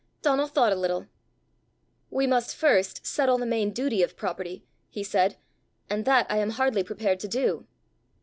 Donal thought a little. "We must first settle the main duty of property," he said; "and that I am hardly prepared to do."